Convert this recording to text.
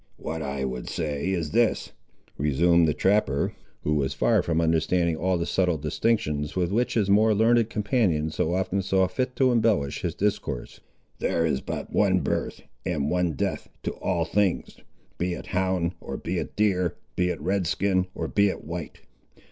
"What I would say is this," resumed the trapper, who was far from understanding all the subtle distinctions with which his more learned companion so often saw fit to embellish his discourse; "there is but one birth and one death to all things, be it hound, or be it deer; be it red skin, or be it white.